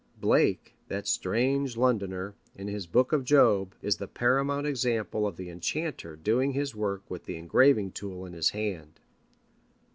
Blake, that strange Londoner, in his book of Job, is the paramount example of the enchanter doing his work with the engraving tool in his hand.